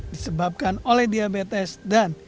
disebabkan oleh kandungan kalium dalam sayuran dan buah buahan